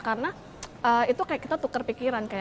karena itu kayak kita tukar pikiran